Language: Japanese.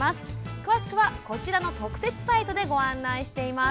詳しくは、こちらの特設サイトでご案内しています。